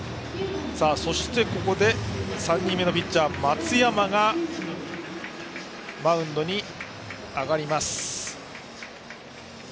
ここで３人目のピッチャー、松山がマウンドに上がります。